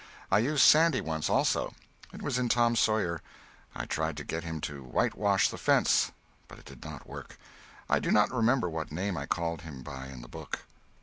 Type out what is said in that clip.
I used Sandy once, also; it was in "Tom Sawyer"; I tried to get him to whitewash the fence, but it did not work. I do not remember what name I called him by in the book.